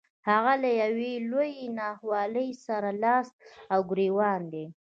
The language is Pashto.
هغه له يوې لويې ناخوالې سره لاس او ګرېوان دی.